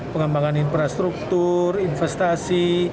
pengembangan infrastruktur investasi